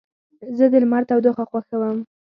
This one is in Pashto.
زه د لمر تودوخه خوښوم.